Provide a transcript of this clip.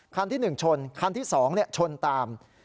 คันที่หนึ่งชนคันที่สองชนตาม